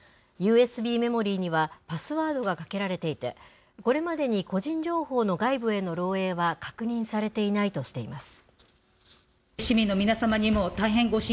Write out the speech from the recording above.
ＵＳＢメモリーにはパスワードがかけられていて、これまでに個人情報の外部への漏えいは確認されていないとしています。